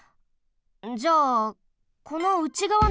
じゃあこのうちがわの穴はなに？